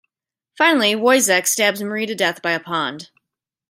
Finally, Woyzeck stabs Marie to death by a pond.